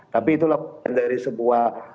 tapi itulah dari sebuah